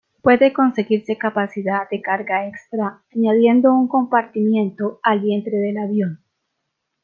Puede conseguirse capacidad de carga extra añadiendo un compartimento al vientre del avión.